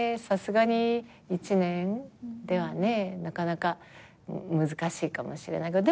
さすがに１年ではねなかなか難しいかもしれない。